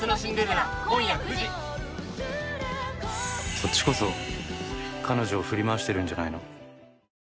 「そっちこそ彼女を振り回してるんじゃないの？」